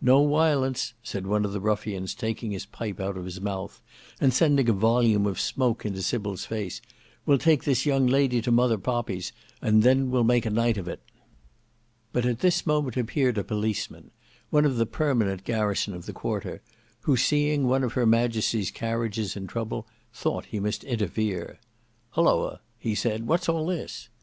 "No wiolence," said one of the ruffians taking his pipe out of his mouth and sending a volume of smoke into Sybil's face, "we'll take the young lady to Mother Poppy's, and then we'll make a night of it." But at this moment appeared a policeman, one of the permanent garrison of the quarter, who seeing one of her Majesty's carriages in trouble thought he must interfere. "Hilloa," he said, "what's all this?"